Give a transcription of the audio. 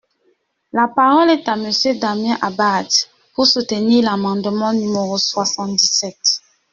La parole est à Monsieur Damien Abad, pour soutenir l’amendement numéro soixante-dix-sept.